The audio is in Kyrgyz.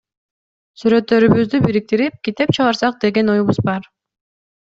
Сүрөттөрүбүздү бириктирип, китеп чыгарсак деген оюбуз бар.